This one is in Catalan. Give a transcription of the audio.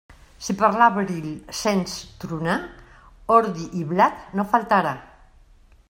Si per l'abril sents tronar, ordi i blat no faltarà.